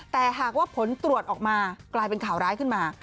แต่หากว่าผลตรวจออกมากลายเป็นข่าวร้ายขึ้นมา